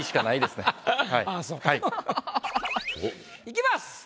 いきます。